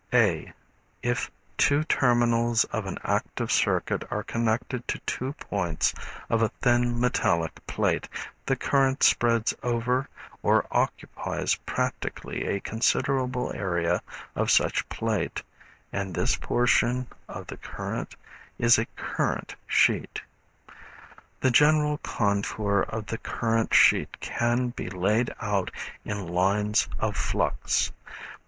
(a) If two terminals of an active circuit are connected to two points of a thin metallic plate the current spreads over or occupies practically a considerable area of such plate, and this portion of the current is a current sheet. The general contour of the current sheet can be laid out in lines of flux.